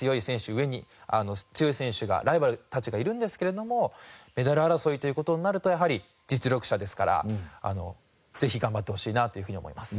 上に強い選手がライバルたちがいるんですけれどもメダル争いという事になるとやはり実力者ですからぜひ頑張ってほしいなというふうに思います。